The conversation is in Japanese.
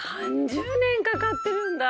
３０年かかってるんだ。